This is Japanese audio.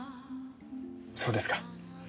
そうですか。